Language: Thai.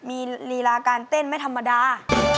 มีลีลาการเต้นไม่ธรรมดา